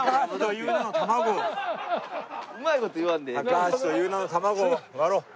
高橋という名の卵を割ろう。